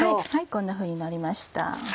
こんなふうになりました。